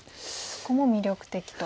そこも魅力的と。